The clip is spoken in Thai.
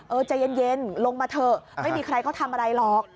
ใจเย็นลงมาเถอะไม่มีใครเขาทำอะไรหรอก